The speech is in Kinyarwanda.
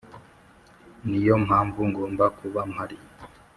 niyo mpamvu ngomba kuba mpari